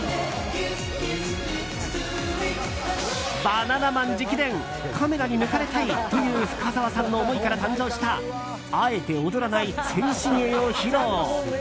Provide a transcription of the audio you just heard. バナナマン直伝カメラに抜かれたいという深澤さんの思いから誕生したあえて踊らない静止芸を披露。